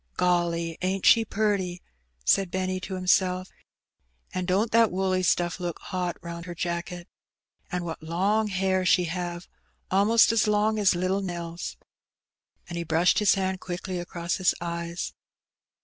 '^ Golly, ain't she purty!" said Benny to himself ;•'' and don*t that woolly stuff look hot round her jafcket! And what long hair she have !— a'most as long as little Nell's," and he brushed his hand quickly across his eyes.